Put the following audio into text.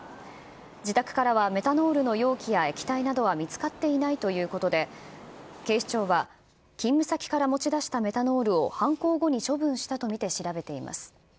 自宅からはメタノールの容器や液体などは見つかっていないということで、警視庁は、勤務先から持ち出したメタノールを犯行後に処分したとみて調べています。